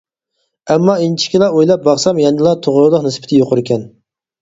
ئەمما ئىنچىكە ئويلاپ باقسام، يەنىلا توغرىلىق نىسبىتى يۇقىرىكەن.